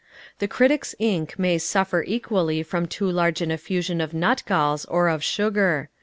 The critic's ink may suffer equally from too large an infusion of nutgalls or of sugar.